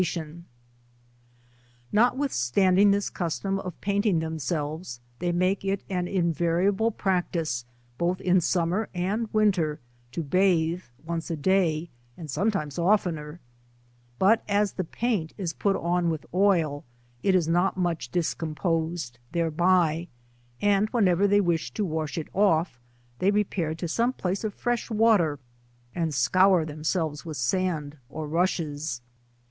n I! 78 NotvvHhstanding this custom of painting theai selves, they make it an invariable practice, both in summer and winter, to bathe once a day, and sometimes oftener ; but as the paint is put on with oil, it is not much discomposed thereby, and whenever they wish to wjish it off, they repair to some piece of fresh water and scour themselves w ith sand or rushes.